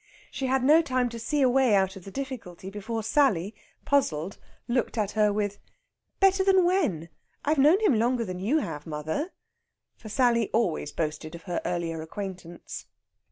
She had no time to see a way out of the difficulty before Sally, puzzled, looked at her with: "Better than when? I've known him longer than you have, mother." For Sally always boasted of her earlier acquaintance.